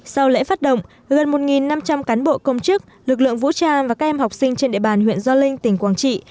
sau lễ phát động gần một năm trăm linh cán bộ công chức lực lượng vũ trang và các em học sinh trên địa bàn huyện gio linh tỉnh quảng trị